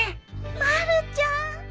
まるちゃん。